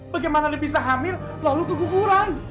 bagaimana dia bisa hamil lalu keguguran